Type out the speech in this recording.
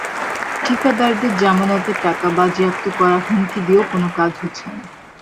ঠিকাদারদের জামানতের টাকা বাজেয়াপ্ত করার হুমকি দিয়েও কোনো কাজ হচ্ছে না।